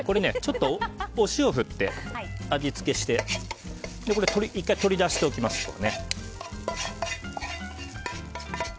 ちょっとお塩を振って味付けして１回取り出しておきます。